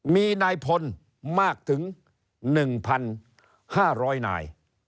มีนายพลมากถึง๑๕๐๐นาย